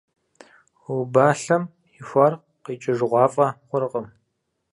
Убалъэм ихуар къикӀыжыгъуафӀэ хъуркъым.